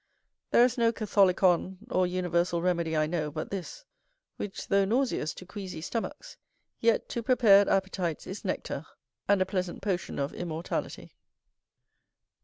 There is no catholicon or universal remedy I know, but this, which though nauseous to queasy stomachs, yet to prepared appetites is nectar, and a pleasant potion of immortality.